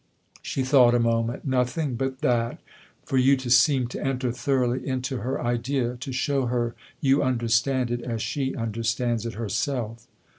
She thought a moment. " Nothing but that for you to seem to enter thoroughly into her idea, to show her you understand it as she understands it herself."